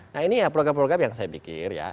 nah ini ya program program yang saya pikir ya